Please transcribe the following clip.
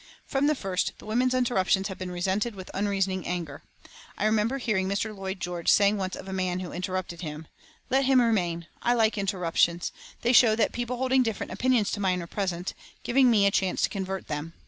From the first the women's interruptions have been resented with unreasoning anger. I remember hearing Mr. Lloyd George saying once of a man who interrupted him: "Let him remain. I like interruptions. They show that people holding different opinions to mine are present, giving me a chance to convert them."